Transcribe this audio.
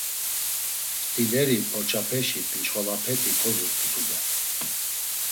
Ft̆ileri porçapeşi pinçxolapeti kozurt̆u tude.